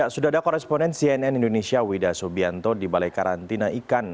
sudah ada koresponen cnn indonesia wida subianto di balai karantina ikan